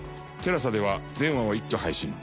ＴＥＬＡＳＡでは全話を一挙配信。